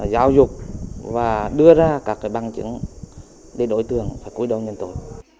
giáo dục và đưa ra các bằng chứng để đối tượng phải cúi đầu nhân tội